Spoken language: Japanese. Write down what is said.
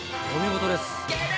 お見事です。